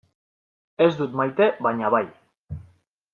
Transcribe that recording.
Ez dut maite baina bai.